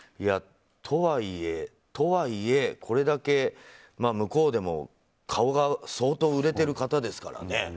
とはいえ、これだけ向こうでも顔が相当売れてる方ですからね。